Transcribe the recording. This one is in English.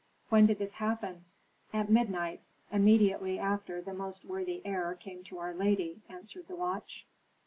"When did this happen?" "At midnight. Immediately after the most worthy heir came to our lady," answered the watch.